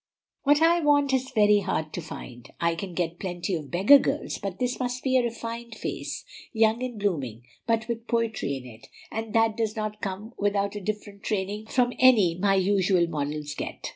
"What I want is very hard to find. I can get plenty of beggar girls, but this must be a refined face, young and blooming, but with poetry in it; and that does not come without a different training from any my usual models get.